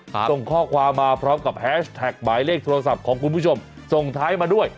ส่งข้อความมาพร้อมกับแฮชแท็กหมายเลขโทรศัพท์ของคุณผู้ชมส่งท้ายมาด้วย